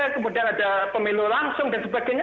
kemudian ada pemilu langsung dan sebagainya